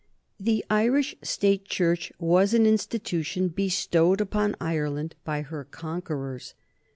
The Irish State Church was an institution bestowed upon Ireland by her conquerors.